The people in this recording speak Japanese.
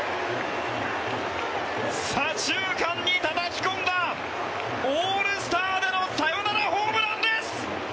左中間にたたきこんだオールスターでのサヨナラホームランです！